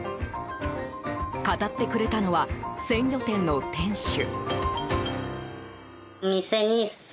語ってくれたのは鮮魚店の店主。